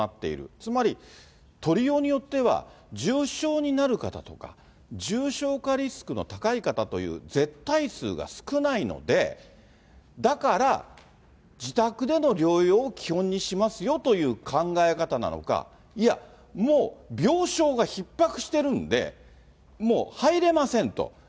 つまり取りようによっては重症になる方とか、重症化リスクの高い方という絶対数が少ないので、だから自宅での療養を基本にしますよという考え方なのか、いや、もう病床がひっ迫してるんで、もう入れませんと。